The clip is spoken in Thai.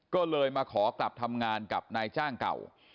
ก็เลยมาขอกลับทำงานกับนายจ้างเก่า